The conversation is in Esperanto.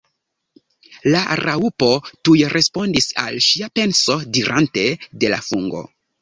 La Raŭpo tuj respondis al ŝia penso, dirante "De la fungo."